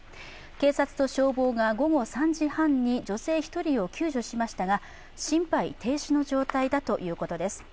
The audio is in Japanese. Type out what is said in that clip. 警察と消防が午後３時半に女性１人を救助しましたが、心肺停止の状態だということです。